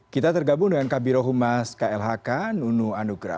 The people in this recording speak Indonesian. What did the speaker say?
kita tergabung dengan kabirohumas klhk nunu andugra